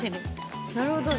なるほど。